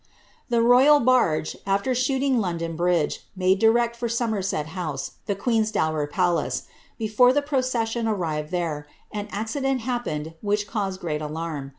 The ro^'al barge, after shooting London bridge, made direct for Somer let House, the queen's dower palace; before the procession arrived there, in accident happened which caused great alarm.